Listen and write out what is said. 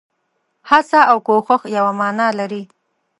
هڅه او کوښښ يوه مانا لري.